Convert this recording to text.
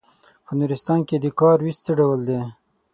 په نورستان کې د کار وېش څه ډول دی.